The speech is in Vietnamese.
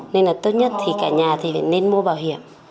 nên là tốt nhất thì cả nhà thì phải nên mua bảo hiểm